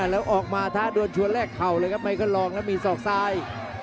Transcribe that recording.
แล้วออกมาท้าโดนชวนแรกเข่าเลยครับไมเคิลลองแล้วมีศอกซ้าย